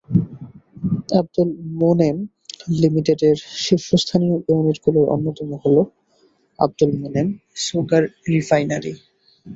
আবদুল মোনেম লিমিটেডের শীর্ষস্থানীয় ইউনিটগুলোর অন্যতম হলো আবদুল মোনেম সুগার রিফাইনারি।